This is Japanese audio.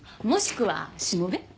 もしくはしもべ。